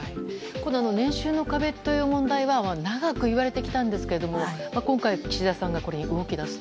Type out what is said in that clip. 年収の壁の問題は長く言われてきたんですが今回、岸田さんがこれに動き出すと。